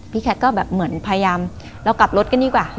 แคทก็แบบเหมือนพยายามเรากลับรถกันดีกว่า